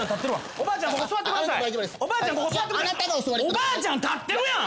おばあちゃん立ってるやん！